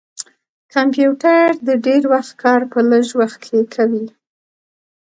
کمپیوټر د ډير وخت کار په لږ وخت کښې کوي